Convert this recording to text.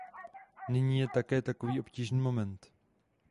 Nyní je také takový obtížný moment.